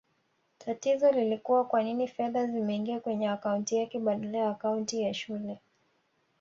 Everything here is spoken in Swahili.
Tatizo lilikua kwanini fedha zimeingia kwenye akaunti yake badala ya akaunti ya shule